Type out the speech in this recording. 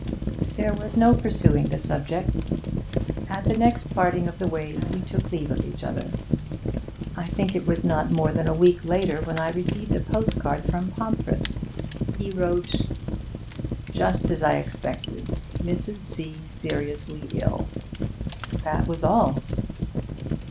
There was no pursuing the subject. At the next parting of the ways we took leave of each other. I think it was not more than a week later when I received a postcard from Pomfret. He wrote: 'Just as I expected. Mrs. C. seriously ill.' That was all.